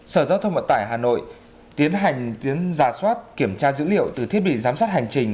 sở giao thông vận tải hà nội tiến hành giả soát kiểm tra dữ liệu từ thiết bị giám sát hành trình